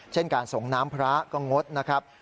เช่นการส่งน้ำพระก็งดนะครับ